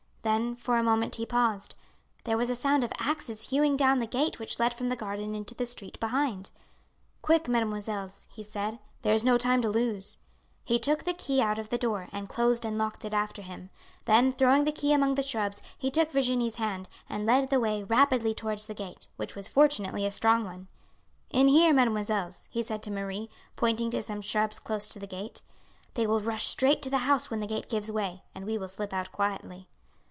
Then for a moment he paused. There was a sound of axes hewing down the gate which led from the garden into the street behind. "Quick, mesdemoiselles!" he said. "There is no time to lose." He took they key out of the door, and closed and locked it after him. Then throwing the key among the shrubs he took Virginie's hand, and led the way rapidly towards the gate, which was fortunately a strong one. "In here, mesdemoiselles," he said to Marie, pointing to some shrubs close to the gate. "They will rush straight to the house when the gate gives way, and we will slip out quietly."